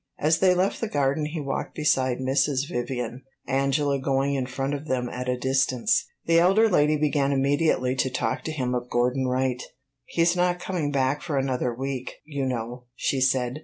As they left the garden he walked beside Mrs. Vivian, Angela going in front of them at a distance. The elder lady began immediately to talk to him of Gordon Wright. "He 's not coming back for another week, you know," she said.